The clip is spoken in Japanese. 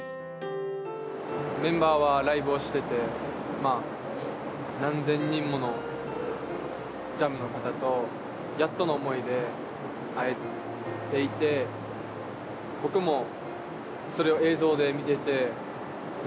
メンバーはライブをしてて何千人ものＪＡＭの方とやっとの思いで会えていて僕もそれを映像で見ていて泣いてしまったんですよね。